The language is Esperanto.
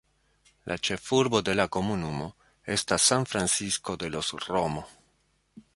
La ĉefurbo de la komunumo estas San Francisco de los Romo.